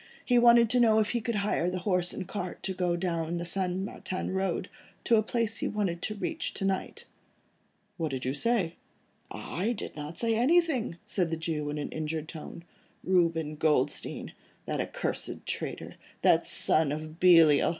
He wanted to know if he could hire a horse and cart to go down along the St. Martin Road, to a place he wanted to reach to night." "What did you say?" "I did not say anything," said the Jew in an injured tone, "Reuben Goldstein, that accursed traitor, that son of Belial .